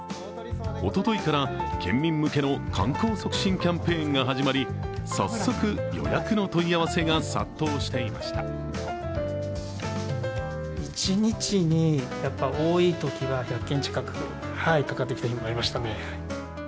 おとといから県民向けの観光促進キャンペーンが始まり、早速、予約の問い合わせが殺到していました。